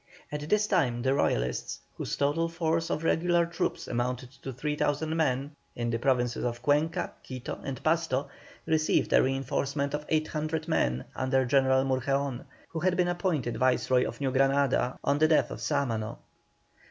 At this time the Royalists, whose total force of regular troops amounted to 3,000 men, in the Provinces of Cuenca, Quito, and Pasto, received a reinforcement of 800 men, under General Murgeón, who had been appointed Viceroy of New Granada on the death of Sámano.